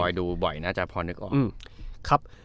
อ่าอ่อนบ่อยดูบ่อยน่าจะพอนึกออกอืมครับ